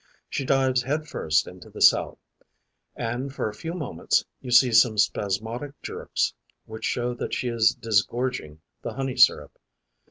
She dives head first into the cell; and for a few moments you see some spasmodic jerks which show that she is disgorging the honey syrup.